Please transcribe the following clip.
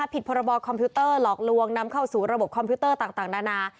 พรบคอมพิวเตอร์หลอกลวงนำเข้าสู่ระบบคอมพิวเตอร์ต่างนานา